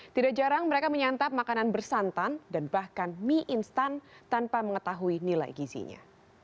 tidak jarang mereka menyantap makanan bersantan dan bahkan mie instan tanpa mengetahui nilai gizinya